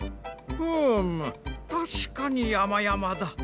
ふむたしかにやまやまだ。